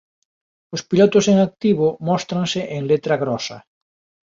Os pilotos en activo móstranse en letra grosa.